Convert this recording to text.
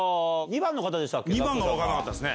２番が分かんなかった。